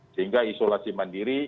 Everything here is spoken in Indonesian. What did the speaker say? sehingga isolasi mandiri